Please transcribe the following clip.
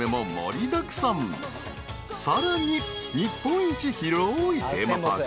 ［さらに日本一広いテーマパーク］